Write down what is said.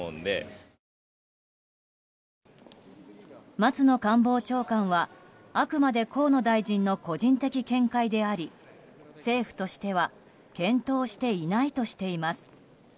松野官房長官は、あくまで河野大臣の個人的見解であり政府としては検討していないとしています。